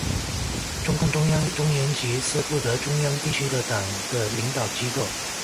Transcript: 中共中央中原局是负责中央地区的党的领导机构。